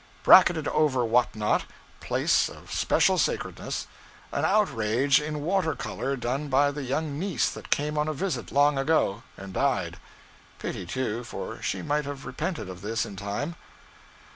Bracketed over what not place of special sacredness an outrage in water color, done by the young niece that came on a visit long ago, and died. Pity, too; for she might have repented of this in time.